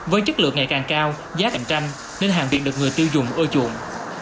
với chất lượng ngày càng cao giá cạnh tranh nên hàng việt được người tiêu dùng ưa chuộng